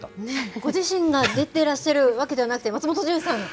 ご自身が出てらっしゃるわけではなくて、松本潤さん。